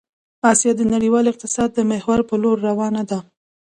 آسيا د نړيوال اقتصاد د محور په لور روان ده